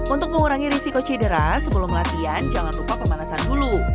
untuk mengurangi risiko cedera sebelum latihan jangan lupa pemanasan dulu